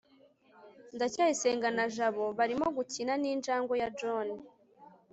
ndacyayisenga na jabo barimo gukina ninjangwe ya john